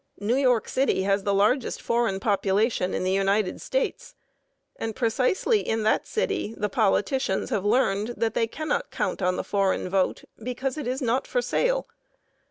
New York City has the largest foreign population in the United States, and precisely in that city the politicians have learned that they cannot count on the foreign vote, because it is not for sale.